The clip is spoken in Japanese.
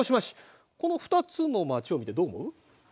この２つの町を見てどう思う？